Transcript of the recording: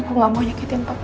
prinsipnya kita pun udah muka